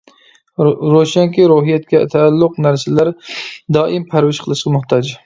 روشەنكى، روھىيەتكە تەئەللۇق نەرسىلەر دائىم پەرۋىش قىلىشقا موھتاج.